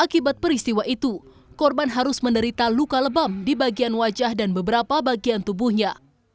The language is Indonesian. akibat peristiwa itu korban harus menderita luka lebam di bagian wajah dan beberapa bagian tubuhnya